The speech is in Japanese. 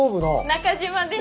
中島です。